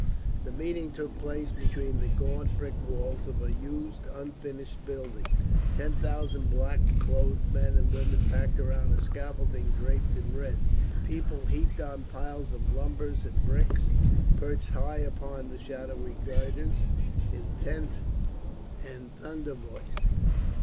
The meeting took place between the gaunt brick walls of a huge unfinished building, ten thousand black clothed men and women packed around a scaffolding draped in red, people heaped on piles of lumber and bricks, perched high upon shadowy girders, intent and thunder voiced.